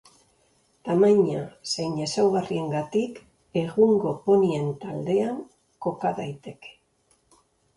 Tamaina zein ezaugarriengatik egungo ponien taldean koka daiteke.